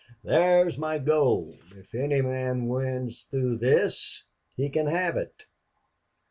"There's my gold! If any man wins through this he can have it!"